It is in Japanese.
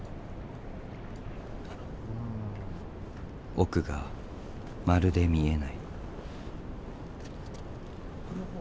奥がまるで見えない。